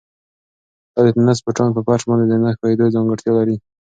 دا د تېنس بوټان په فرش باندې د نه ښویېدو ځانګړتیا لري.